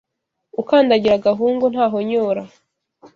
Ukandagira agahungu ntahonyora